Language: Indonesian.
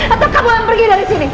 atau kamu yang pergi dari sini